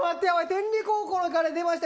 天理高校の彼出ました。